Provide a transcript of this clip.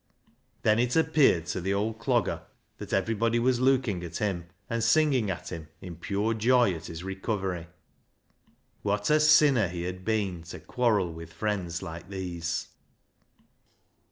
Then it appeared to the old C logger that everybody was looking at him, and singing at him in pure joy at his recovery. What a sinner he had been to quarrel with friends like these